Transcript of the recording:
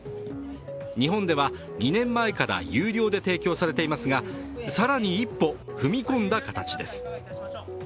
日本では２年前から有料で提供されていますが更に一歩踏み込んだ形です。